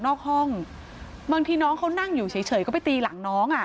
นอกห้องบางทีน้องเขานั่งอยู่เฉยก็ไปตีหลังน้องอ่ะ